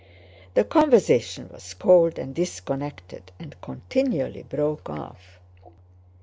The conversation was cold and disconnected and continually broke off.